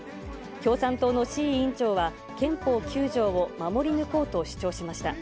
共産党の志位委員長は、憲法９条を守り抜こうと主張しました。